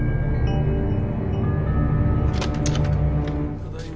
ただいま。